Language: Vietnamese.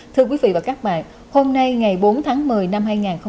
thưa quý vị và các bạn hôm nay ngày bốn tháng một mươi năm hai nghìn một mươi chín